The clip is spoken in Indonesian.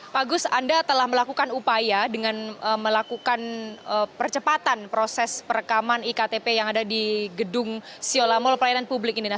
pak agus anda telah melakukan upaya dengan melakukan percepatan proses perekaman iktp yang ada di gedung siolabunga